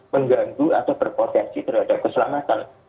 mengganggu atau berpotensi terhadap keselamatan